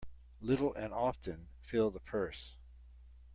Little and often fill the purse.